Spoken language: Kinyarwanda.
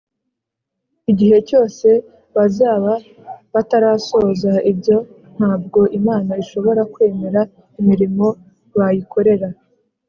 igihe cyose bazaba batarasohoza ibyo, ntabwo imana ishobora kwemera imirimo bayikorera